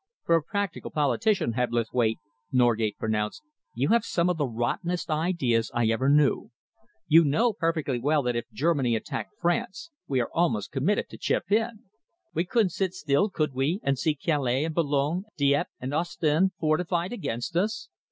"For a practical politician, Hebblethwaite," Norgate pronounced, "you have some of the rottenest ideas I ever knew. You know perfectly well that if Germany attacked France, we are almost committed to chip in. We couldn't sit still, could we, and see Calais and Boulogne, Dieppe and Ostend, fortified against us?"